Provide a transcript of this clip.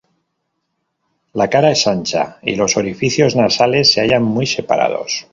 La cara es ancha y los orificios nasales se hallan muy separados.